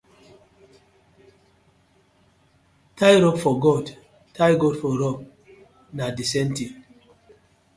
Tie rope for goat, tie goat for rope, na the same thing.